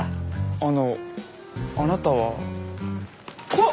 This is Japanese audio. あのあなたは？わっ！